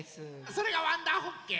それがわんだーホッケー？